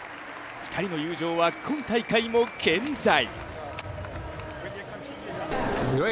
２人の友情は今大会も健在。